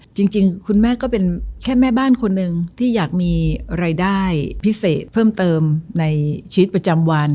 จริงคุณแม่ก็เป็นแค่แม่บ้านคนหนึ่งที่อยากมีรายได้พิเศษเพิ่มเติมในชีวิตประจำวัน